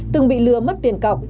từng bị lừa mất tiền cọc